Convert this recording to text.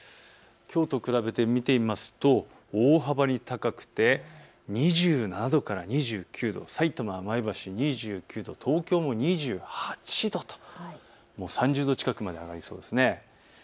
きょうと比べて見てみますと大幅に高くて２７度から２９度、さいたま、前橋、２９度、東京も２８度と３０度近くまで上がりそうです。